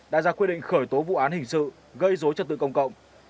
đã ra quyết định khởi tố vụ án hình sự gây dối trật tự công cộng